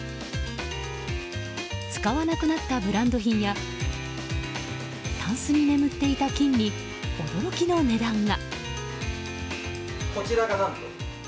使わなくなったブランド品やたんすに眠っていた金に驚きの値段が。